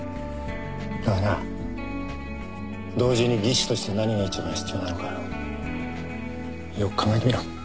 だがな同時に技師として何が一番必要なのかよく考えてみろ。